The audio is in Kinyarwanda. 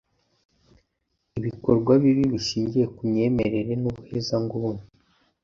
ibikorwa bibi bishingiye ku myemerere n’ubuhezanguni